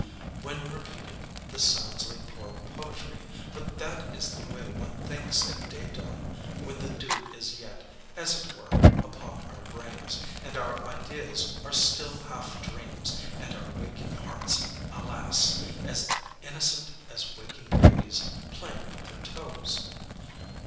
When repeated, this sounds like poor poetry; but that is the way one thinks at day dawn, when the dew is yet, as it were, upon our brains, and our ideas are still half dreams, and our waking hearts, alas! as innocent as waking babies playing with their toes.